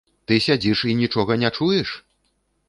Ты сядзіш і нічога не чуеш?